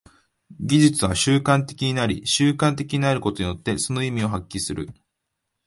技術は習慣的になり、習慣的になることによってその意味を発揮する。